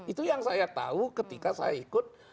itu yang saya tahu ketika saya ikut